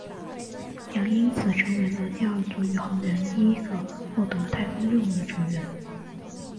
杨因此成为了第二组宇航员第一个获得太空任务的成员。